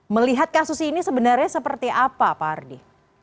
melihat kasus ini sebenarnya seperti apa pak ardi